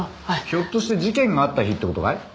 ひょっとして事件があった日って事かい？